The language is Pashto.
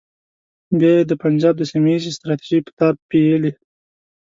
بیا یې د پنجاب د سیمه ییزې ستراتیژۍ په تار پېیلې.